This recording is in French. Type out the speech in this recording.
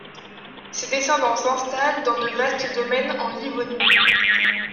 Ses descendants s'installent dans de vastes domaines en Livonie.